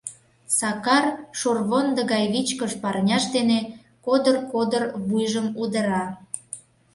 Сакар шорвондо гай вичкыж парняж дене кодыр-кодыр вуйжым удыра.